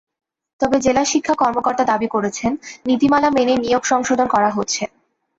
তবে জেলা শিক্ষা কর্মকর্তা দাবি করেছেন, নীতিমালা মেনে নিয়োগ সংশোধন করা হচ্ছে।